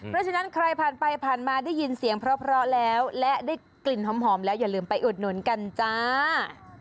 เพราะฉะนั้นใครผ่านไปผ่านมาได้ยินเสียงเพราะแล้วและได้กลิ่นหอมแล้วอย่าลืมไปอุดหนุนกันจ้า